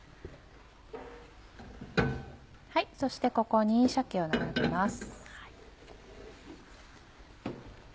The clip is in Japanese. そしてここに鮭を並べます。